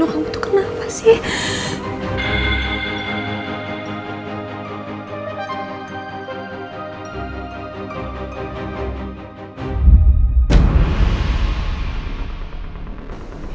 yuno kamu tuh kenapa sih